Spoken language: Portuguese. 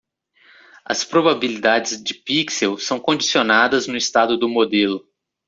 As probabilidades de pixel são condicionadas no estado do modelo.